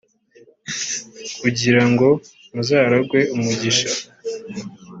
kugira ngo muzaragwe umugisha